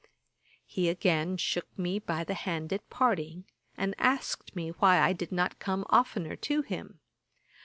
He again shook me by the hand at parting, and asked me why I did not come oftener to him.